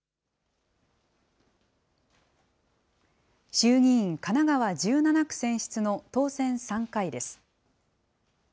衆議院神奈川１７区選出の当選３回です。